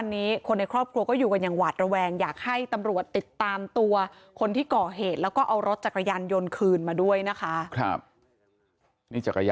นี่จักรยานยนต์นี่แพงกว่าเงินพันห้าอีก